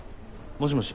もしもし。